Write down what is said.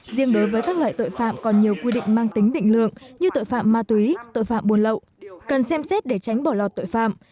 riêng đối với các loại tội phạm còn nhiều quy định mang tính định lượng như tội phạm ma túy tội phạm buôn lậu cần xem xét để tránh bỏ lọt tội phạm